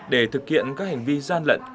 để thực hiện các hành vi gian lận